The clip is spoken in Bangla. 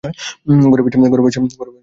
ঘরে বসে জ্বললেই হয়।